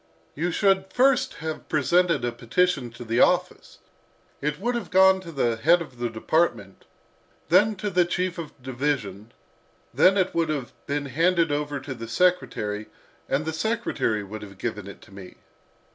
You should first have presented a petition to the office. It would have gone to the head of the department, then to the chief of the division, then it would have been handed over to the secretary, and the secretary would have given it to me."